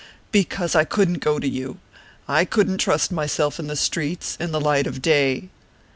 "Because I couldn't go to you. I couldn't trust myself in the streets in the light of day."